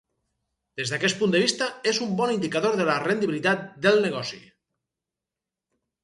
Des d'aquest punt de vista, és un bon indicador de la rendibilitat del negoci.